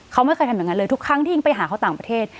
เขาไม่เคยทำอย่างนั้นเลยทุกครั้งที่อิ๊งไปหาเขาต่างประเทศ